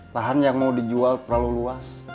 lahan yang mau dijual terlalu luas